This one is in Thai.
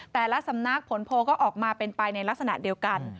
แต่ละสำนักผลโพลก็ออกมาเป็นไปในลักษณะเดียวกัน